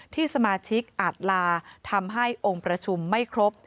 ที่สมาชิกอาจลาทำให้องค์ประชุมไม่ครบ